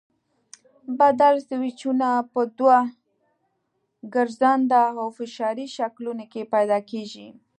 بدل سویچونه په دوو ګرځنده او فشاري شکلونو کې پیدا کېږي.